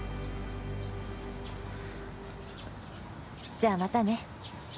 じゃあまたね。